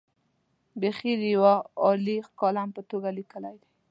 بېخي د یوه عالي کالم په توګه لیکلي دي.